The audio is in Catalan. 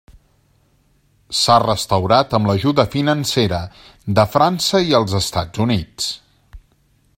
S'ha restaurat amb l'ajuda financera de França i els Estats Units.